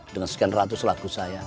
dengan sekian ratus lagu saya